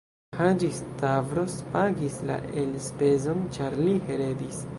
Haĝi-Stavros pagis la elspezon, ĉar li heredis.